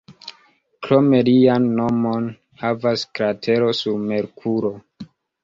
Krome, lian nomon havas kratero sur Merkuro.